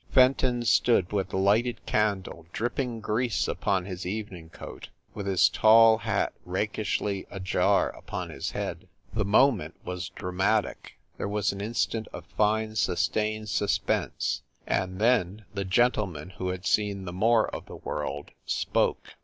Fenton 266 FIND THE WOMAN stood with the lighted candle dripping grease upon his evening coat, with his tall hat rakishly ajar upon his head. The moment was dramatic ; there was an instant of fine sustained suspense, and then the gentleman who had seen the more of the world spoke.